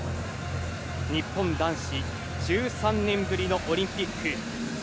日本男子１３年ぶりのオリンピック。